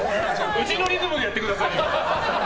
うちのリズムでやってください！